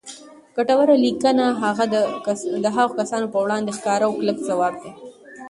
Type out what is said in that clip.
ګټوره لیکنه د هغو کسانو پر وړاندې ښکاره او کلک ځواب دی